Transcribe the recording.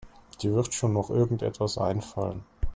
Dir wird schon noch irgendetwas einfallen.